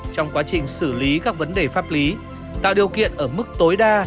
trong quá trình xử lý các vấn đề pháp lý tạo điều kiện ở mức tối đa